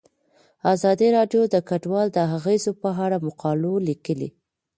ازادي راډیو د کډوال د اغیزو په اړه مقالو لیکلي.